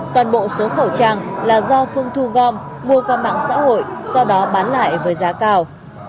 toàn bộ số khẩu trang là do phương thu gom mua qua mạng xã hội sau đó bán lại với giá cao